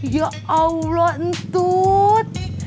ya allah entut